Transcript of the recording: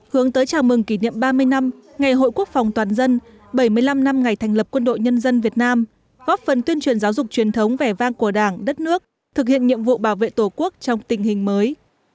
hướng tới chào mừng kỷ niệm ba mươi năm ngày hội quốc phòng toàn dân bảy mươi năm năm ngày thành lập quân đội nhân dân việt nam góp phần tuyên truyền giáo dục truyền thống vẻ vang của đảng đất nước thực hiện nhiệm vụ bảo vệ tổ quốc trong tình hình mới